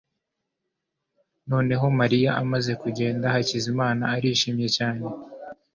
noneho mariya amaze kugenda, hakizimana arishimye cyane